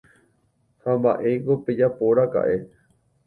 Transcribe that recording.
Ha mba'éiko pejapóraka'e.